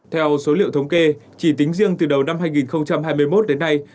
theo số liệu thống kê chỉ tính riêng từ đầu năm hai nghìn hai mươi một đến nay